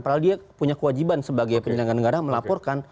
padahal dia punya kewajiban sebagai penyelenggara negara melaporkan